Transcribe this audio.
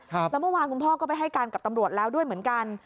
แล้วเมื่อวานคุณพ่อก็ไปให้การกับตำรวจแล้วด้วยเหมือนกัน